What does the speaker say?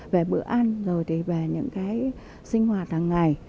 về bữa ăn rồi thì về những cái sinh hoạt hàng ngày